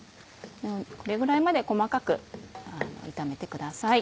これぐらいまで細かく炒めてください。